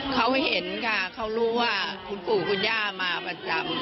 เขาเห็นค่ะเขารู้ว่าคุณปู่คุณย่ามาประจำ